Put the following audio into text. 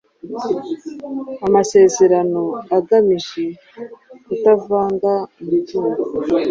amasezerano agamije kutavanga umutungo